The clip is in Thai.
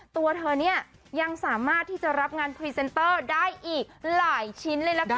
ตัวเธอเนี่ยยังสามารถที่จะรับงานพรีเซนเตอร์ได้อีกหลายชิ้นเลยละกัน